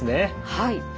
はい。